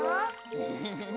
フフフフ。